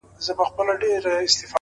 o اوس دي لا د حسن مرحله راغلې نه ده ـ